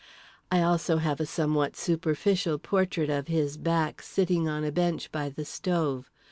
I also have a somewhat superficial portrait of his back sitting on a bench by the stove.